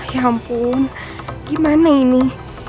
ya ampun gimana ini